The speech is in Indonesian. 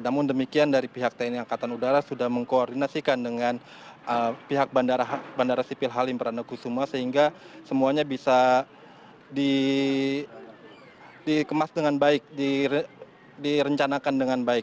namun demikian dari pihak tni angkatan udara sudah mengkoordinasikan dengan pihak bandara sipil halim perdana kusuma sehingga semuanya bisa dikemas dengan baik direncanakan dengan baik